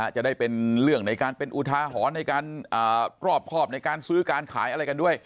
จะได้เป็นเรื่องในการเป็นอุทาหรณ์ในการรอบครอบในการซื้อการขายอะไรกันด้วย